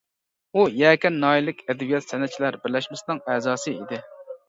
ئۇ، يەكەن ناھىيەلىك ئەدەبىيات-سەنئەتچىلەر بىرلەشمىسىنىڭ ئەزاسى ئىدى.